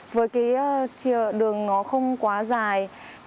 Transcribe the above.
với cái đường nó không quá dài